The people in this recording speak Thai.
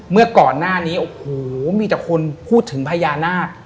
เมื่อก่อนหน้านี้โอ้โหมีแต่คนพูดถึงพญานาค